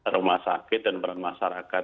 rumah sakit dan peran masyarakat